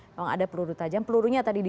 kalau ada peluru tajam pelurunya tadi